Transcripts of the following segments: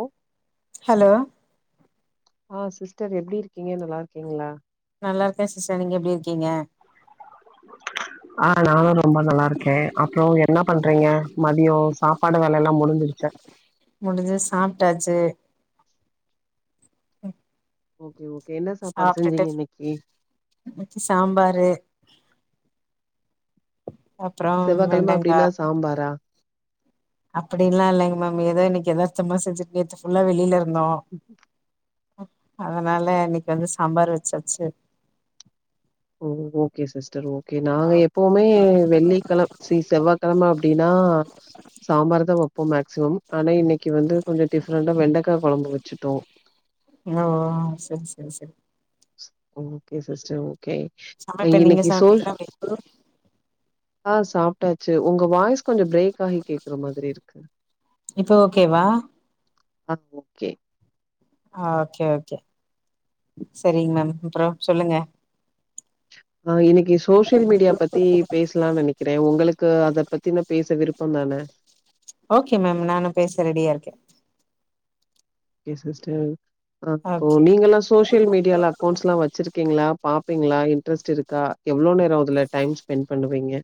ஓ hello ஆ sister எப்டி இருக்கீங்க நல்லாருக்கீங்ளா நல்லாருக்கேன் சிஸ்டர் நீங்க எப்டி இருக்கீங்க [unintelligible] ஆ நானும் ரொம்ப நல்லாருக்கேன் அப்புறோ என்ன பண்றீங்க மதியம் சாப்பாடு வேலல்லாம் முடிஞ்சிருச்சா முடிஞ்சி சாப்டாச்சு ஓகே ஓகே என்ன சாப்பாடு செஞ்சீங்க இன்னைக்கி இன்னக்கி சாம்பாரு அப்பறம் வெண்டங்கா பாரா அப்டின்ல்லாம் இல்லங்க மேம் ஏதோ இன்னிக்கு எதார்த்தமா செஞ்சுட்டு நேத்து ஃபுல்லா வெளில இருந்தோம் அதனால இன்னைக்கு வந்து சாம்பார் வச்சாச்சு ஓ ஓ ஓகே சிஸ்டர் ஓகே நாங்க எப்போமே வெள்ளிக்கிழ சி செவ்வாகிழம அப்டினா சாம்பார் தான் வப்போம் மேக்சிமம் ஆனா இன்னைக்கு வந்து கொஞ்சம் டிஃப்ரெண்டா வெண்டக்கா கொழம்பு வச்சுட்டோம் ஓ சரி சரி சரி ஓகே சிஸ்டர் ஓகே சமைப்ப நீங்க இன்னைக்கு சோர் சமைப்பீங்களா ஆ சாப்டாச்சு உங்க வாய்ஸ் கொஞ்சம் பிரேக் ஆகி கேக்குற மாதிரி இருக்கு இப்போ ஓகேவா ஆஹ் ஓகே ஆ ஓகே ஓகே சரிங்க மேம் அப்றோம் சொல்லுங்க ஆஹ் இன்னைக்கி சோசியல் மீடியா பத்தி பேசலாம்னு நெனைக்கிறேன் உங்களுக்கு அத பத்தின பேச விருப்பம் தான ஓகே மேம் நானும் பேச ரெடியா இருக்கேன் கே சிஸ்டர் அப்போ ஓகே நீங்கலாம் சோசியல் மீடியால அக்கௌண்ட்ஸ் லாம் வச்சிரு கீங்களா பாப்பீங்ளா இன்ட்ரெஸ்ட் இருக்கா எவ்ளோ நேரம் அதுல டைம் ஸ்பென்ட் பண்ணுவீங்க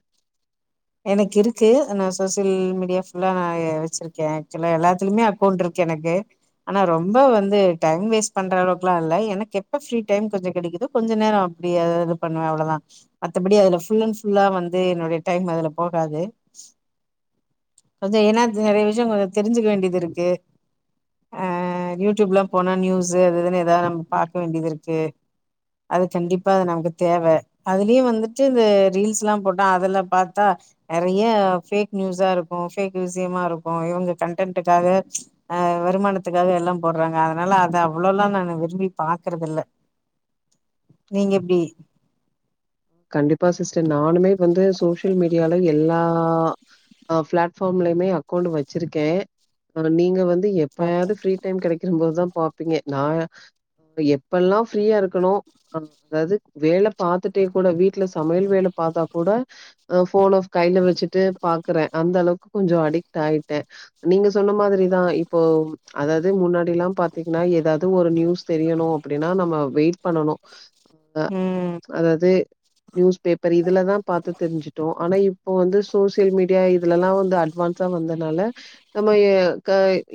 எனக்கு இருக்கு அனா சோசியல் மீடியா ஃபுல்லா நா வச்சுருக்கேன் ஆக்சுவலா எல்லாத்துலயுமே அக்கௌண்டிருக்கு எனக்கு ஆனா ரொம்ப வந்து டைம் வேஸ்ட் பண்ற அளவுக்குலாம் இல்ல எனக்கு எப்ப ஃப்ரீ டைம் கொஞ்சம் கெடைக்குதோ கொஞ்ச நேரம் அப்டியது பண்ணுவேன் அவ்ளோதா மத்தபடி அதுல ஃபுல் அண்ட் ஃபுல்லா வந்து என்னுடைய டைம் அதுல போகாது கொஞ்சம் ஏன்னா அது நெறய விஷயம் கொஞ்சம் தெரி்ஞ்சிக்க வேண்டியதுருக்கு ஆஹ் யூடியூப்லாம் போனா நியூஸ் அது இதுன்னு ஏதாது நம்ம பாக்க வேண்டியது இருக்கு அது கண்டிப்பா அது நமக்கு தேவ அதுலயும் வந்துட்டு இந்த ரீல்ஸ்லாம் போட்டா அதுல பாத்தா நெறய ஃபேக் நியூஸா இருக்கும் ஃபேக் விசியமா இருக்கும் இவுங்க கன்டென்ட்க்காக அஹ் வருமானத்துக்காக எல்லாம் போடுறாங்க அதனால அத அவ்ளோலாம் நா விரும்பி பாக்றது இல்ல நீங்க எப்டி கண்டிப்பா சிஸ்டர் நானுமே வந்து சோசியல் மீடியால எல்லா ஆஹ் ஃபிளாட் ஃபார்ம்லயுமே அக்கௌண்ட் வச்சிருக்கேன் ஆனா நீங்க வந்து எப்பயாவது ஃப்ரீ டைம் கெடைக்கும் போதான் பா இங்க நா எப்பெல்லாம் ஃப்ரீயா இருக்கனோ அப் அது வேல பாத்துட்டே கூட வீட்ல சமையல் வேல பாத்தா கூட அஹ் ஃபோன் ஆஃப் கைல வச்சுட்டு பாக்குறேன் அந்த அளவுக்கு கொஞ்சம் அடிக்ட் ஆயிட்டேன் நீங்க சொன்ன மாதிரிதான் இப்போ அதாவது முன்னாடி லாம் பாத்தீங்கன்னா ஏதாவது ஒரு நியூ ஸ் தெரியணும் அப்டின்னா நம்ம வெயிட் பண்ணும் அ ம் அதாது நியூஸ் பேப்பர் இதுலதா பாத்து தெரிஞ்சுட்டோ ஆனா இப்போ வந்து சோசியல் மீடியா இதுலெல்லா வந்து அட்வான்ஸா வந்தனால நம்ம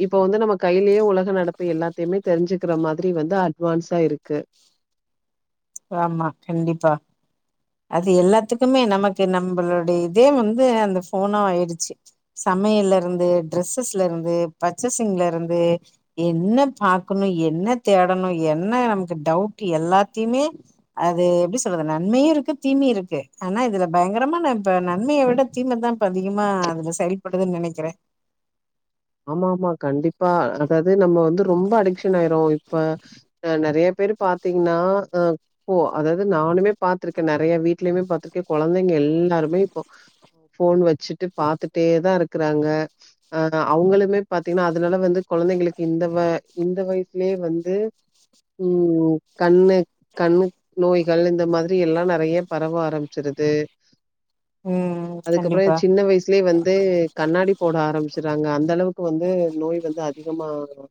இப்ப வந்து நம்ம கையிலயே உலக நடப்பு எல்லாத்தயுமே தெரிஞ்சுக்கிற மாதிரி வந்து அட்வான்ஸா இருக்கு ஆமா கண்டிப்பா அது எல்லாத்துக்குமே நமக்கு நம்மளோட இதே வந்து அந்த போனு ஆயிடுச்சு சமையல இருந்து ட்ரெஸ்ஸஸ்ல இருந்து பர்ச்சஸிங்ல இருந்து என்ன பாக்கணு என்ன தேடணு என்ன நமக்கு டவுட் எல்லாத்தயுமே அது எப்டி சொல்றது நன்மையு இருக்கு தீமையு இருக்கு ஆனா இதுல பயங்கரமா ந இப்ப நன்மைய விட தீம தா இப்ப அதிகமா அதுல செயல்படுதுன்னு நெனைக்கிறே ஆமா ஆமா கண்டிப்பா அதாவது நம்ம வந்து ரொம்ப அடிக்ஸ்சன் ஆயிடுவோ இப்ப ஆ நெறைய பேர் பாத்தீங்கன்னா அ போ அதாவது நானுமே பாத்துருக்கே நெறைய வீட்லயுமே பாத்துருக்கே கொழந்தைங்க எல்லாருமே இப்போ ஃபோன் வச்சுட்டு பாத்துட்டே தா இருக்கறாங்க அ அவங்களுமே பாத்தீங்கன்னா அதனால வந்து கொழந்தைங்களுக்கு இந்த வ இந்த வயசுலயே வந்து ம் கண்ணு கண் நோய்கள் இந்த மாதிரி எல்லா நெறைய பரவ ஆரம்பிச்சிருது ம் அதுக்கப்றோ கண்டிப்பா சின்ன வயசுலேயே வந்து கண்ணாடி போட ஆரம்பிச்சறாங்க அந்த அளவு வந்து நோய் வந்து அதிகமா இருக்கு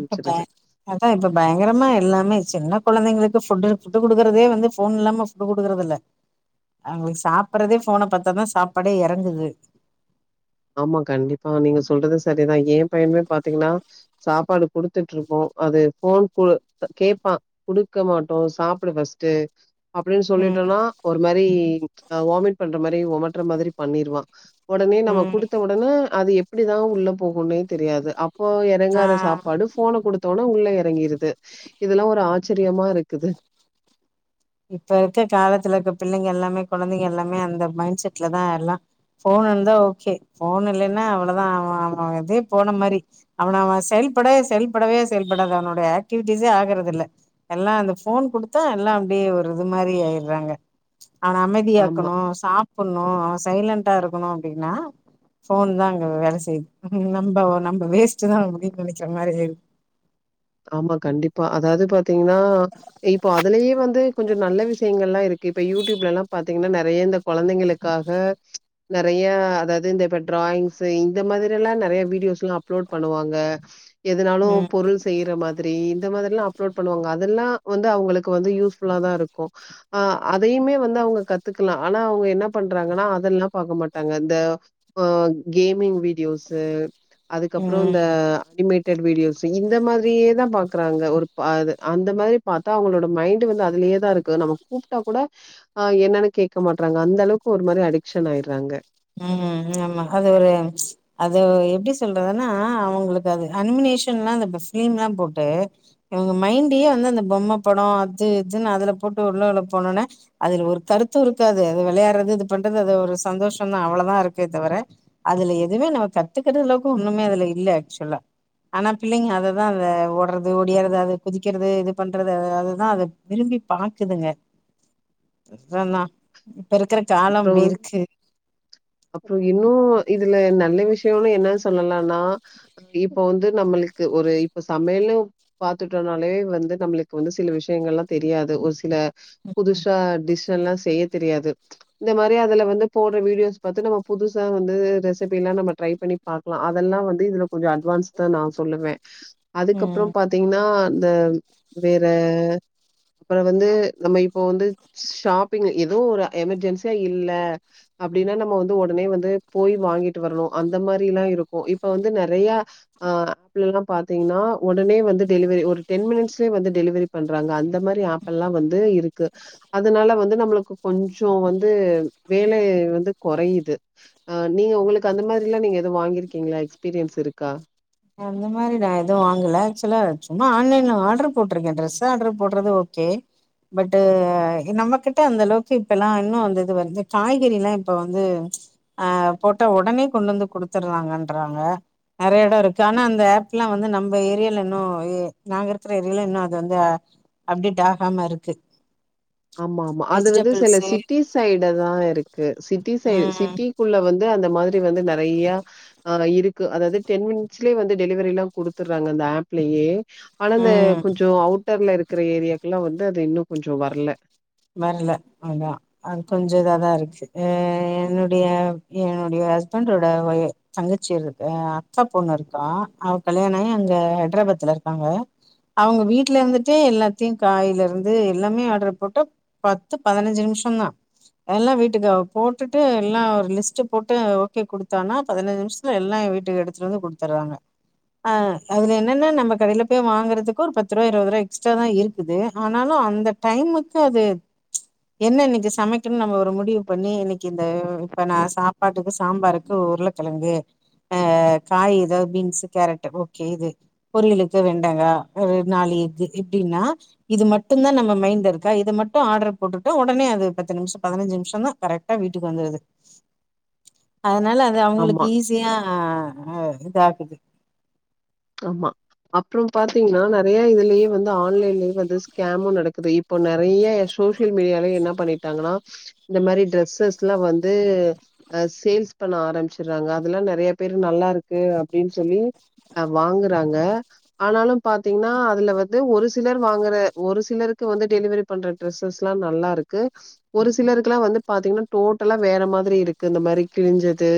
இப்ப பாரு அதா இப்ப பயங்கரமா எல்லாமே சின்ன குழந்தைங்களுக்கு ஃபுட் ஃபுட்டு கொடுக்குறதே வந்து ஃபோன் இல்லாம கொடுக்குறத இல்ல அவங்களுக்கு சாப்பிறதே ஃபோன பாத்தா தா சாப்பாடே எறங்குது ஆமா கண்டிப்பா நீங்க சொல்றது செரிதா ஏ பையனுமே பாத்தீங்கனா சாப்பாடு கொடுத்துட்டு இருப்போ அது ஃபோன் குடு கேப்பா குடுக்க மாட்டோ சாப்பிடு பஸ்ட்டு அப்டின்னு ம் சொல்லிட்டோன்னா ஒரு மாரி வாமிட் பண்ற மாரி ஒமட்ற மாதிரி பண்ணிருவா உடனே நம்ம ம் குடுத்த வுடன அது எப்டிதா உள்ள போகுனே தெரியாது அப் அப்போ ஆ எறங்காத சாப்பாடு ஃபோன குடுத் தவுன உள்ள எறங்கிருது இது எல்லா ஒரு ஆச்சரியமா இருக்குது இப்ப இருக்க காலத்துல இருக்க பிள்ளைங்க எல்லாமே குழந்தைங்க எல்லாமே அந்த மைண்ட் செட்ல தா எல்லா ஃபோன் இருந்தா ஓகே ஃபோன் இல்லைன்னா அவ்ளதா அவ இதே போன மாதிரி அவன அவன் செயல்படவே செயல்படவே செயல்படாது அவனுடைய ஆக்டிவிட்டிஸே ஆகுறது இல்ல எல்லா அந்த ஃபோன் கொடுத்தா எல்லா அப்டியே ஒரு இது மாரி ஆயிடுறாங்க அவன ஆமா. அமைதியாக்கனு சாப் பண்ணு அவ சைலண்டா இருக்கணு அப்டின்னா ஃபோன் தா அங்க வேல செய்யுது நம்ம நம்ம வேஸ்ட் தா அப்டின்னு நெனைக்கிற மாரி ஆயிடுது ஆமா கண்டிப்பா அதாவது பாத்தீங்கன்னா இப்ப அதுலயு வந்து கொஞ் நல்ல விஷயங்கள் எல்லா இருக்கு இப்ப யூடியூப்ல எல்லா பாத்தீங்கன்னா நெறைய இந்த குழந்தைங்களுக்காக நெறைய அதாவது இந்த இப்ப டிராயிங்ஸ் இந்த மாதிரி எல்லா நெறைய வீடியோஸ் எல்லா அப்லோட் பண்ணுவாங்க எதனாலு ம் பொருள் இந்த மாதிரி இந்த மாதிரி எல்லா அப்லோட் பண்ணுவாங்க அது எல்லா வந்து அவங்களுக்கு வந்து யூஸ்ஃபுல்லா தா இருக்கு ஆ அதையுமே வந்து அவங்க கத்துக்கலா ஆனா அவங்க என்ன பண்றாங்கன்னா அது எல்லா பாக்க மாட்டாங்க இந்த ஆ கேமிங் வீடியோஸ் அதுக்கு அப்றோ இந்த ம் அனிமேட்டட் வீடியோஸ் இந்த மாதிரியே தா பாக்குறாங்க ஒரு அது அந்த மாதிரி பாத்தா அவங்களோட மைண்ட் வந்து அதுலயேதா இருக்கு நம்ம கூப்ட்டா கூட ஆ என்னன்னு கேக்க மாட்டறாங்க அந்த அளவுக்கு ஒரு மாதிரி அடிக்சன் ஆயிறாங்க ம் ஆமா அது ஒரு அது எப்டி சொல்றதுன்னா அவுங்களுக்கு அது அனிமினேஷன்லா அந்த ப ஃப்லிம்லா போட்டு இவங்க மைண்டயே வந்து அந்த பொம்ம படோ அது இதுன்னு அதுல போட்டு உள்ள உள்ள போனோன்னே அதுல ஒரு கருத்து இருக்காது அது விளயாட்றது இது பண்றது அது ஒரு சந்தோ ஷந்தா அவள தா இருக்கே தவர அதுல எதுமே நம்ம கத்துக்கறளவுக்கு ஒன்னுமே அதுல இல்ல ஆக்சுலா ஆனா பிள்ளைங்க அதுதா அத ஓட்றது ஓடியாறது அது குதிக்கறது இது பண்றது அ அதுதா அது விரும்பி பாக்குதுங்க [inaudible] ஏனா இப்ப இருக்கற காலோ அப்டி இருக்கு அப்றோ இன்னு இதுல நல்ல விஷ்யோனு என்ன சொல்லலான்னா இப்ப வந்து நம்மளுக்கு ஒரு இப்ப சமையலு பாத்துட்டோனாலே வந்து நம்மளுக் வந்து சில விஷ்யங்கள்லா தெரியாது ஒரு சில புதுசா டிஸ் எல்லா செய்ய தெரியாது இந்த மாரி அதுல வந்து போட்ற வீடியோஸ் பாத்து நம்ம புதுசா வந்து ரெசிப்பில்லா நம்ம ட்ரை பண்ணி பாக்கலா அதெல்லா வந்து இதுல கொஞ்சோ அட்வான்ஸ்தா நா சொல்லுவே ம் அதுக்கப்பறோ பாத்தீங்ன்னா இந்த வேற அப்பறோ வந்து நம்ம இப்போ வந்து ஷாப்பிங் எதோ ஒரு எமெர்ஜென்சியா இல்ல அப்டின்னா நம்ம வந்து ஒடனே வந்து போய் வாங்கிட்டு வரணு அந்த மாரில்லா இருக்கு இப்ப வந்து நெறையா ஆ ஆப்ல எல்லா பாத்தீங்ன்னா ஒடனே வந்து டெலிவரி ஒரு டென் மினிட்ஸ்லயே வந்து டெலவரி பண்றாங்க அந்த மாரி ஆப்பெல்லா வந்து இருக்கு அதுனால வந்து நம்மளுக்கு கொஞ்சோ வந் து வேலை வந்து கொறையிது ஆ நீங்க உங்களுக்கு அந்த மாரில்லா நீங்க எது வாங்கிருக்கீங்ளா எக்ஸ்பீரியன்ஸ் இருக்கா அந்த மாரி நா எது வாங்கல ஆக்சுலா சும்மா ஆன்லைன்ல ஆட்ரு போட்ருக்கே ட்ரஸ் ஆட்ரு போட்றது ஓகே பட்டு் நம்மகிட்ட அந்தளவுக்கு இப்பெல்லா இன்னு அந்த இது வந்து காய்கறில்லா இப்ப வந்து அ போட்ட ஒடனே கொண்டந்து குடுத்தட்றாங்கன்றாங்க நெறைய எடோ இருக் கான அந்த ஆப்லா வந்து நம்ப ஏரியால இன்னு எ நாங்க இருக்கற ஏரியால இன்னு அது வந்து அப்டேட் ஆகாம இருக்கு ஆமாமா அது வந்து சில வெஜிடபிள்ஸு சிட்டி சைடு தா இருக்கு சிட்டி சைட் ம் சிட்டி குள்ள வந்து அந்த மாதிரி வந்து நெறைய ஆ இருக்கு அதாவ்து டென் மினிட்ஸ்லயே வந்து டெலிவரிலா குடுத்தட்றாங்க அந்த ஆப் லயே ஆனா இந்த ம் கொஞ்சோ அவுட்டர்ல இருக்கற ஏரியாக்குல்லா வந்து அது இன்னு கொஞ்சோ வர்ல வரல அதா அது கொஞ்ச இதாதா இருக்கு எ என்னுடைய என்னுடைய ஹஸ்பண்டோட ஒ தங்கச்சி இருக் அ அத்தப்பொண்ணு இருக்கா அவ கல்யாணாயி அங்க ஹைட்ராபாத்ல இருக்காங்க அவங்க வீட்லருந்துட்டே எல்லாத்தயு காய்லருந்து எல்லாமே ஆட்ரு போட்டு பத்து பதினஞ்சு நிம்ஷோ தா எல்லா வீட்டுக்கு அவ போட்டுட்டு எல்லா ஒரு லிஸ்ட்டு போட்டு ஓகே குடுத்தானா பதினஞ்சு நிம்ஷ துல எல்லா வீட்டுக்கு எடுத்துட்டு வந்து குடுத்தர்றாங்க ஆ அதுல என்னன்னா நம்ம கடைல போய் வாங்கறதுக்கு ஒரு பத்துருவா, இருவதுருவா எக்ஸ்ட்ராதா இருக்குது ஆனாலு அந்த டைமுக்கு அது என்ன இன்னைக்கி சமைக்கணுன் நம்ம ஒரு முடிவு பண்ணி இன்னைக்கி இந்த இப்ப நா சாப்பாட்டுக்கு சாம்பாருக்கு உருளக் கெழங்கு அ காய் எதோ பீன்ஸு, கேரட்டு ஓகே இது பொரியலுக்கு வெண்டகா ஒரு நாலு இது எப்டின்னா இது மட்டுந்தா நம்ம மைண்ட்ல இருக்கா இத மட் டு ஆட்ரு போட்டுட்டு ஒடனே அது பத்து நிம்ஷோ பதினஞ்சு நிம்ஷோ தா கரெக்ட்டா வீட்டுக் வந்துருது அதனால அது ஆமா. அவங்களுக்கு ஈஸியா இதாகுது ஆமா அப்பறோ பாத்திங்ன்னா நறைய இதுலே வந்து ஆன்லைன்லயே வந்து ஸ்கேமு நடக்குது இப்ப நறைய சோசியல் மீடியாலே என்னா பண்ணிட்டாங்கன்னா இந்த மாரி ட்ரெஸ்ஸஸ்லா வந்து அ சேல்ஸ் பண்ண ஆரம்பிச்சர்றாங்க அதல்லா நறையா பேரு நல்லா இருக்கு அப்டின் சொல்லி அ வாங்கறாங்க ஆனாலு பாத்திங்ன்னா அதுல வந்து ஒரு சிலர் வாங்கற ஒரு சிலருக்கு வந்து டெலிவரி பண்ற டிரெஸ்ஸஸ்லா நல்லா இருக்கு ஒரு சிலருக்குலா வந்து பாத்திங்ன்னா டோட்டலா வேற மாதிரி இருக்கு இந்த மாரி கிழிஞ்சது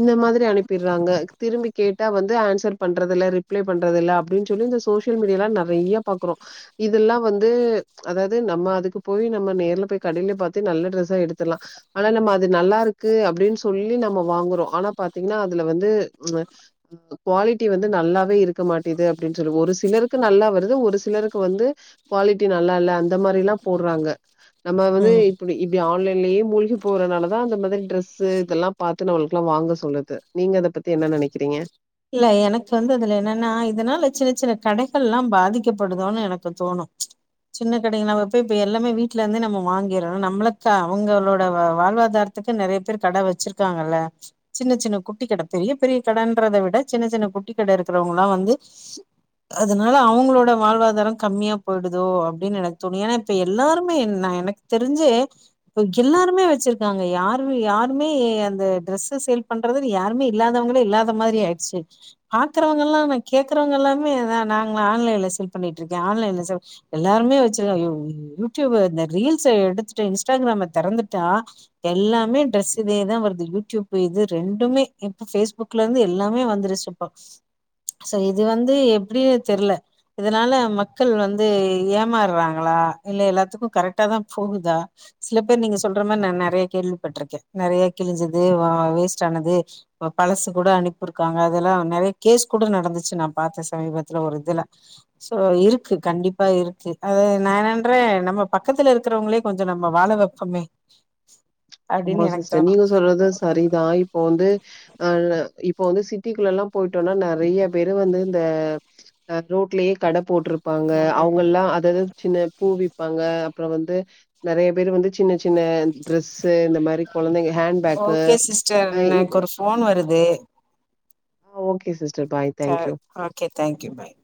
இந்த மாதிரி அணுப்பிர்றாங்க திரும்பி கேட்டா வந்து ஆன்சர் பண்றது இல்ல ரிப்ளை பண்றது இல்ல அப்படின்னு சொல்லி இந்த சோசியல் மீடியால நறைய பாக்கறோ இதல்லா வந்து அதாவது நம்ம அதுக்கு போய் நம்ம நேர்ல போய் கடையிலயே பாத்து நல்ல டிரெஸ்ஸா எடுத்துலா ஆனா நம்ம அது நல்லா இருக்கு அப்படின் சொல்லி நம்ம வாங்கறோ அனா பாத்திங்கன்னா அதுல வந்து க்வாலிட் டி வந்து நல்லாவே இருக்க மாட்டிது அப்டின் சொல்லி ஒரு சிலருக்கு நல்லா வருது ஒரு சிலருக்கு வந்து குவாலிட்டி நல்லா இல்ல அந்த மாரிலா போடுறாங்க நம்ம வந்து ம் இப்படி இப் இப்டி ஆன்லைன்லயே மூழ்கி போறனால தா அந்த மாதிரி டிரெஸ்சு இதெல்லா பாத்து நம்மளுக்குலா வாங்க சொல்லுது நீங்க அத பத்தி என்ன நெனக்கறீங்க இல்ல எனக்கு வந்து அதுல என்னன்னா இதனால சின்ன சின்ன கடைகள்லா பாதிக்கப்படுதோனு எனக்கு தோணு சின்ன கடைனா நம்ம போய் இப்ப எல்லாமே வீட்டுல இருந்தே நம்ம வாங்கிர்றோ நம்மளத்தா அவங்களோட வ வாழ்வாதா த்த நறைய பேர் கட வச்சிருக்காங்கல்ல சின்ன சின்ன குட்டி கட பெரிய பெரிய கடன்றத வி ட சின்ன சின்ன குட்டி கட இருக்கறவங்கலா வந்து அதுனால அவங்களோட வாழ்வாதாரம் கம்மியா போயிடுதோ அப்படின் எனக் தோணு ஏன்னா இப் ப எல்லாருமே நா எனக்கு தெரிஞ்சி இப்ப எல்லாருமே வெச்சிருக்காங்க யாரு யாருமே அந்த டிரெஸ்ஸு சேல் பண் றது யாருமே இல்லாதவங்களே இல்லாத மாதிரி ஆயிடுச்சு பாக்கறவங்கல்லா நா கேக்கறவங்க எல்லாமே அதா நாங்க ஆன்லைன்ல சேல் பண்ணிட்ருக்கே ஆன்லைன்ல சேல் எல்லாருமே வெச்சுருகா [unintelligible] யூடியூப இந்த ரீல்ஸ்ஸ எடுத்துட்டு இன்ஸ்டாகிராம தெறந்துட்டா எல்லாமே டிரெஸ் இதேதா வருது யூடியூப்பு இது ரெண்டுமே இப்ப பேஸ்புக்ல இருந்து எல்லாமே வ [unintelligible] செரி இது வந்து எப்படினே தெர்ல இதனால மக்கள் வந்து ஏமாறாங்களா இல்ல எல்லாத்துக்கு கரக்ட்டாதா போகுதா சில பேர் நீங்க சொல்ற மார் நா நறைய கேள்விப்பட்ருக்கே நறைய கிழிஞ்சது வா வேஸ்ட் ஆனது இப்ப பழசு கூட அனுப்பிடு இருக்காங்க அதல்லா நறைய கேஸ் கூட நடந்துச்சு நா பாத்த சமீபத்துல ஒரு இதுல சோ அது இருக்கு கண்டிப்பா இருக்கு அது நா என்னன்றே நம்ம பக்கத்துல இருக்கறவங்களே கொஞ்சோ நம்ம வாழ வெப்பமே ஆமா சிஸ்டர் நீங்க சொல்றது சரிதா இப் போ வந்து ஆ இப்போ வந்து சிட்டீக்குள்ளலா போயிட்டோன்னா நறைய பேரு வந்து இந்த அ ரோட்லயே கட போட்ருப்பாங்க ம் அவுங்கல்லா அதது சின்ன பூ விப்பாங்க அப்பறோ வந்து நறைய பேரு வந்து சின்ன சின்ன டிரெஸ்ஸு இந்த மாரி கொழந்தைங்க ஹேண்ட் பேக்கு ஓகே சிஸ்டர் அ இ எனக்கு ஒரு ஃபோன் வருது ஆ ஓகே சிஸ்டர் பாய் ச thank you okay thank you bye